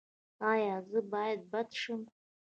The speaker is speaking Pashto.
ایا زه باید بد شم؟